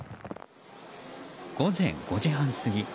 午前５時半過ぎ。